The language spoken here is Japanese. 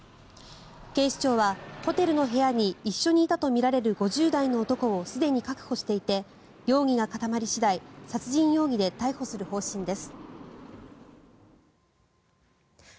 警視庁は、ホテルの部屋に一緒にいたとみられる５０代の男をすでに確保していて容疑が固まり次第、殺人容疑で男を逮捕する方針です。